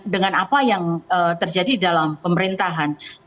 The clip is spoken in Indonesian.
dengan apa yang terjadi dalam pemerintahan